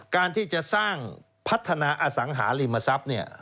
การที่จะสร้างพัฒนาอสังหาริมทรัพย์เนี่ย